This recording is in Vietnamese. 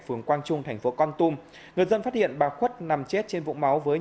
phường quang trung thành phố con tum người dân phát hiện bà khuất nằm chết trên vùng máu với